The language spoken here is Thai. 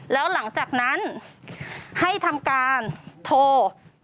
แล้วหลังจากนั้นให้ทำการโทร